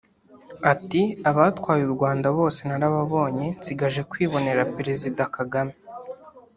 Ati “Abatwaye u Rwanda bose narababonye nsigaje kwibonera Perezida Kagame